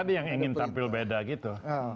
mungkin tadi yang ingin tampil beda gitu